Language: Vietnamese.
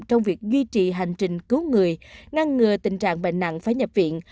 trong việc duy trì hành trình cứu người ngăn ngừa tình trạng bệnh nặng phải nhập viện